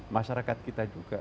masyarakat kita juga